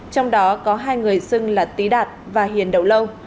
trong đó có hai người xưng là tý đạt và hiền đậu lâu